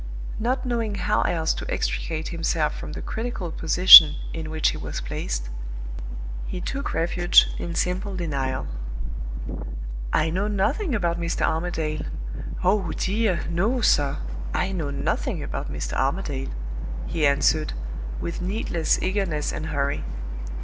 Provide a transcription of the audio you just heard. Not knowing how else to extricate himself from the critical position in which he was placed, he took refuge in simple denial. "I know nothing about Mr. Armadale oh dear, no, sir, I know nothing about Mr. Armadale," he answered, with needless eagerness and hurry.